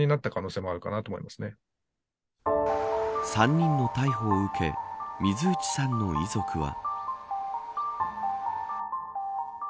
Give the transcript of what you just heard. ３人の逮捕を受け水内さんの遺族は。